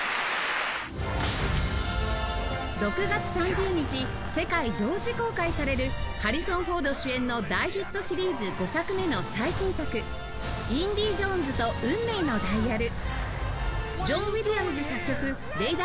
６月３０日世界同時公開されるハリソン・フォード主演の大ヒットシリーズ５作目の最新作『インディ・ジョーンズと運命のダイヤル』